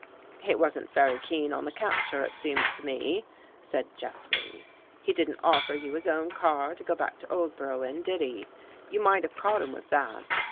" He wasn't very keen on the capture, it seems to me," said Jeffrey. " He didn't offer you his own I car to go back to Oldborough in, did he? You might have caught him with that.